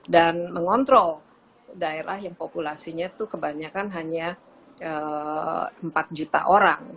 dan mengontrol daerah yang populasinya tuh kebanyakan hanya empat juta orang